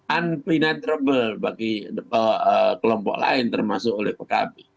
unplinetrable bagi kelompok lain termasuk oleh pkb